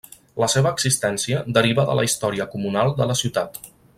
La seva existència deriva de la història comunal de la ciutat.